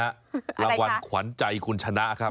อะไรคะรางวัลขวัญใจคุณชนะครับ